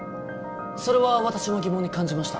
それは私も疑問に感じました